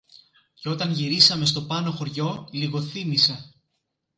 Και όταν γυρίσαμε στο Πάνω Χωριό λιγοθύμησα